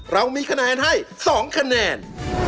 เรามีคะแนนให้๒คะแนน